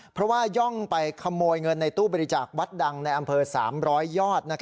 เพราะว่าย่องไปขโมยเงินในตู้บริจาควัดดังในอำเภอ๓๐๐ยอด